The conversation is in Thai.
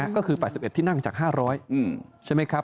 ก็คือ๘๑ที่นั่งจาก๕๐๐